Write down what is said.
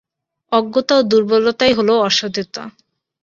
অজ্ঞতা ও দুর্বলতাই হইল অসাধুতা।